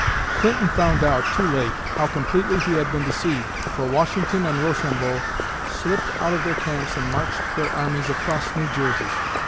Clinton found out, too late, how completely he had been deceived, for Washington and Rochambeau slipped out of their camps and marched their armies across New Jersey!